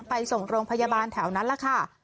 ไปส่งโรงพยาบาลแถวนั้นแหละค่ะ